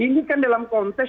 ini kan dalam kontes